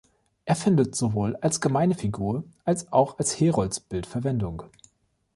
Er findet sowohl als gemeine Figur als auch als Heroldsbild Verwendung.